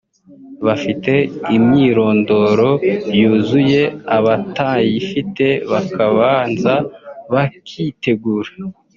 bafite imyirondoro yuzuye abatayifite bakabanza bakitegura